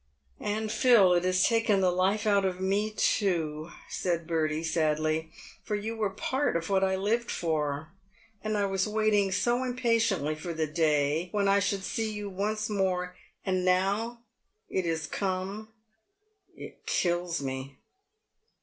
" And Phil, it has taken the life out of me, too," said Bertie, sadly, " for you were part of what I lived for, and I was waiting so impa tiently for the day when I should see you once more, that now it has come it kills me."